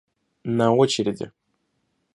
На очереди